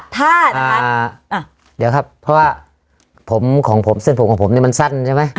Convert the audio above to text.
เพราะว่าเส้นผมของผมเนี่ยมันสั้นใช่ไหม